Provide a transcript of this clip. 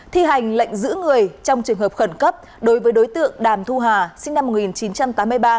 thi hành lệnh giữ người trong trường hợp khẩn cấp đối với đối tượng đàm thu hà sinh năm một nghìn chín trăm tám mươi ba